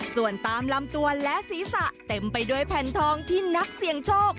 ส่วนตามลำตัวและศีรษะเต็มไปด้วยแผ่นทองที่นักเสี่ยงโชค